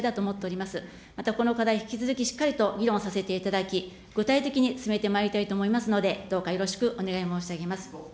またこの課題、引き続きしっかりと議論させていただき、具体的に進めてまいりたいと思いますので、どうかよろしくお願い申し上げます。